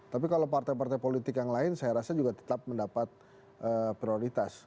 tapi kalau partai partai politik yang lain saya rasa juga tetap mendapat prioritas